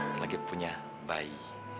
ntar lagi punya bayi